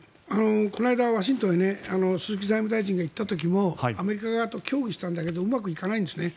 この間、ワシントンへ鈴木財務大臣が行った時もアメリカ側と協議したけどうまくいかないんですね。